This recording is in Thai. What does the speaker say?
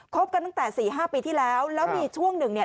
บกันตั้งแต่สี่ห้าปีที่แล้วแล้วมีช่วงหนึ่งเนี่ย